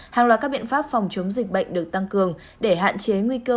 hàng loạt các biện pháp phòng chống dịch bệnh được tăng cường để hạn chế nguy cơ